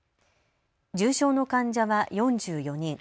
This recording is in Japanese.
重症の患者は４４人。